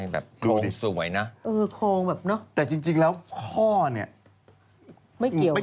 แบบโครงสวยนะแต่จริงแล้วข้อเนี่ยไม่เกี่ยวนะ